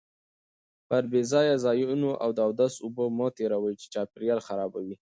پر بې ځایه ځایونو د اوداسه اوبه مه تېروئ چې چاپیریال خرابوي.